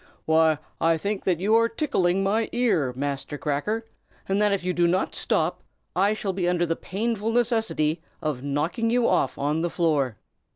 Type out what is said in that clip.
"Why, I think that you are tickling my ear, Master Cracker, and that if you do not stop, I shall be under the painful necessity of knocking you off on the floor."